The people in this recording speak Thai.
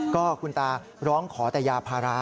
ก็คุณตาร้องขอแต่ยาภาระ